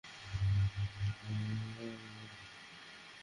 বেশ মিস ব্যাঙ, তুমি কি বুঝতে পেরেছ তোমাকে এখন কী করতে হবে?